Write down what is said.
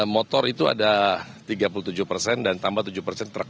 motor itu ada tiga puluh tujuh persen dan tambah tujuh persen truk